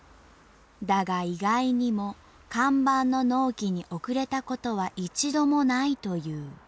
だが意外にも看板の納期に遅れたことは一度もないという。